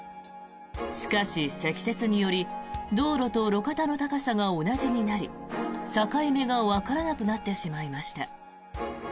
しかし、積雪により道路と路肩の高さが同じになり境目がわからなくなってしまいました。